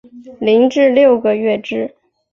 零至六个月之